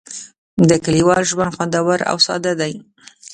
د کلیوال ژوند خوندور او ساده دی.